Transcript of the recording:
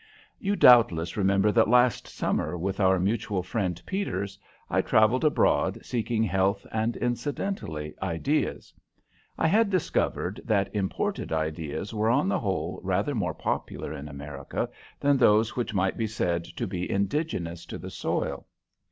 You doubtless remember that last summer, with our mutual friend Peters, I travelled abroad seeking health and, incidentally, ideas. I had discovered that imported ideas were on the whole rather more popular in America than those which might be said to be indigenous to the soil.